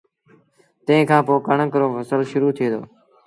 تنهن کآݩ پو ڪڻڪ رو ڦسل شرو ٿئي دو